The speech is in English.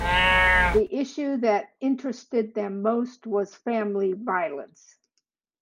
The issue that interested them most was family violence.